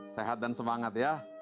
sehat dan semangat ya